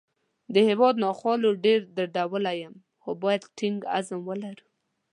د هیواد ناخوالو ډېر دردولی یم، خو باید ټینګ عزم ولرو